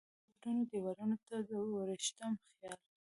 وډبرینو دیوالونو ته د وریښم خیال